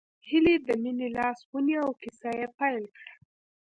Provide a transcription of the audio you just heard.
هيلې د مينې لاس ونيو او کيسه يې پيل کړه